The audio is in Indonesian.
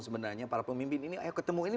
sebenarnya para pemimpin ini ayo ketemu ini